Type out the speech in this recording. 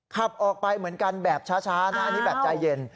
ขับออกไปเหมือนกันแบบช้านะอันนี้แบบใจเย็น